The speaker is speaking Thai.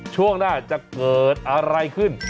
ช่วงหน้าจะเกิดอะไรขึ้น